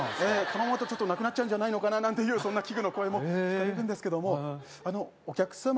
このままだとちょっとなくなっちゃうんじゃないのかななんていうそんな危惧の声も聞かれるんですけどもあのお客様